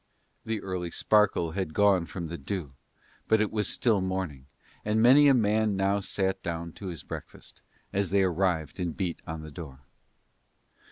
The early sparkle had gone from the dew, but it was still morning, and many a man but now sat down to his breakfast, as they arrived and beat on the door.